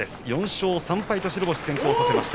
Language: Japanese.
４勝３敗、白星先行です。